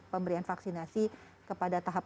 pemberian vaksinasi kepada tahap